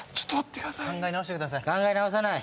考え直してください。